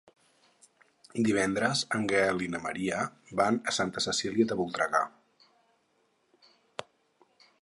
Divendres en Gaël i na Maria van a Santa Cecília de Voltregà.